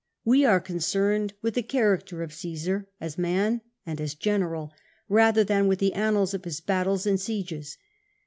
We are concerned with the character of Caesar as man and as general, rather than with the annals of his battles and sieges.